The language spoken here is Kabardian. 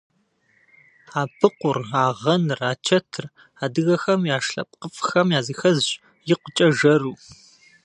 Абыкъур, агъэныр, ачэтыр - адыгэхэм яш лъэпкъыфӏхэм языхэзщ, икъукӏэ жэру.